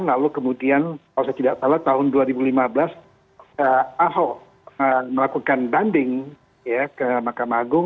lalu kemudian kalau saya tidak salah tahun dua ribu lima belas ahok melakukan banding ke mahkamah agung